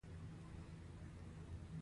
شراب د یخو ټوټو په منځ کې یخ شوي ول.